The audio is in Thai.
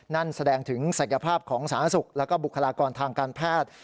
นั่นแสดงถึงศักยภาพของสาธารณสุขและบุคลากรทางการแพทย์